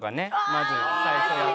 まず最初は。